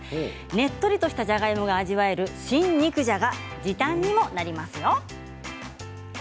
ねっとりとしたじゃがいもが味わえるシン・肉じゃが時短にもなりますよ。